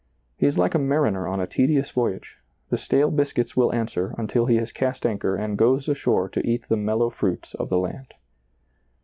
He is like a mariner on a tedious voyage ; the stale biscuits will answer until he has cast anchor and gone ashore to eat the mellow fruits of the land.